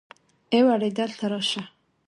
ای وړې دلته راشه.